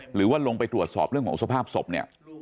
หรือว่าลงไปตรวจสอบเรื่องของสภาพศพเนี่ย